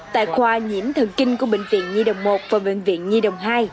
tại khoa nhiễm thần kinh của bệnh viện nhi đồng một và bệnh viện nhi đồng hai